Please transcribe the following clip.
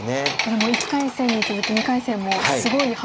でも１回戦に続き２回戦もすごいハンマーで。